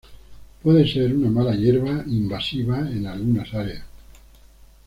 Puede ser una mala hierba invasiva en alguna áreas.